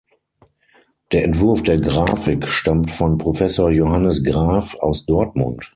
Der Entwurf der Graphik stammt von Professor Johannes Graf aus Dortmund.